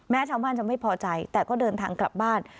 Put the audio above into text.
ชาวบ้านจะไม่พอใจแต่ก็เดินทางกลับบ้าน